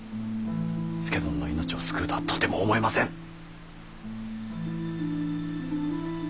佐殿の命を救うとはとても思えません。